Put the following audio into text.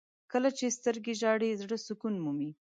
• کله چې سترګې ژاړي، زړه سکون مومي.